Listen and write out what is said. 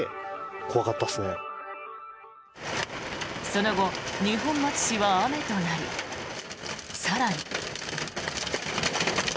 その後、二本松市は雨となり更に。